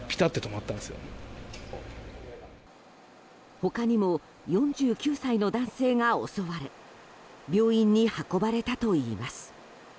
他にも４９歳の男性が襲われ病院に運ばれたといいます。